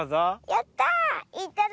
やった！